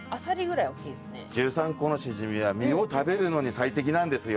十三湖のシジミは身を食べるのに最適なんですよ。